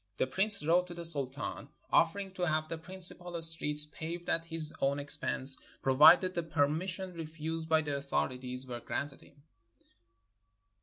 The Prince wrote to the Sultan offering to have the principal streets paved at his own expense, provided the permis sion refused by the authorities were granted him.